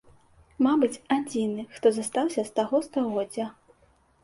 Мабыць, адзіны, хто застаўся з таго стагоддзя.